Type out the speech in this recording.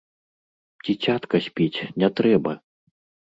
Дзіцятка спіць, не трэба!